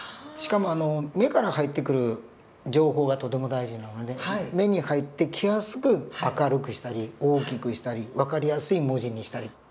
しかも目から入ってくる情報がとても大事なので目に入ってきやすく明るくしたり大きくしたり分かりやすい文字にしたり。